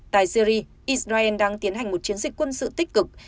tại syri israel đang tiến hành một chiến dịch quân sự tích cực